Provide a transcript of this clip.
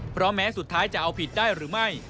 เพราะแม้สุดท้ายจะเอาผิดได้หรือไม่